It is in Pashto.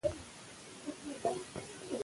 مرکزي ټکی په فعلي ترکیب کښي فعل يي.